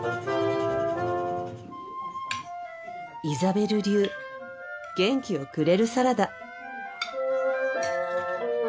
イザベル流元気をくれるサラダ。